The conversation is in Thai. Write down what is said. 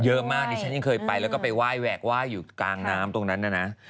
เยอะมากดิฉันยังเคยไปแล้วก็ไปไหว้แหวกไหว้อยู่กลางน้ำตรงนั้นนะนะ